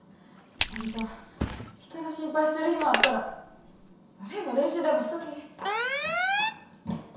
あんた人の心配してる暇あったらバレエの練習でもしとき！